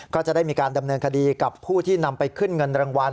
ก็จะได้มีการดำเนินคดีกับผู้ที่นำไปขึ้นเงินรางวัล